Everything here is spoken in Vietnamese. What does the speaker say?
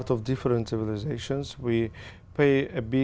mục đích của ông ấy là